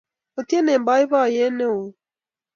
Otienji en boiboiyet ne won